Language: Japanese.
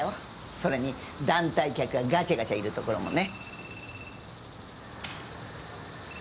それに団体客がガチャガチャいる所もね。